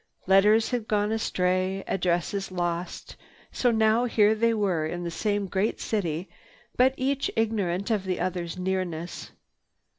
Letters had gone astray, addresses lost, so now here they were in the same great city, but each ignorant of the other's nearness.